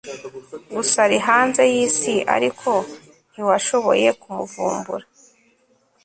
gusa ari hanze yisi Ariko ntiwashoboye kumuvumbura